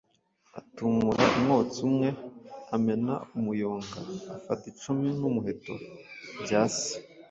atumura umwotsi umwe amena umuyonga, afata icumu n’umuheto bya se,